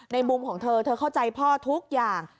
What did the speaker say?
มุมของเธอเธอเข้าใจพ่อทุกอย่าง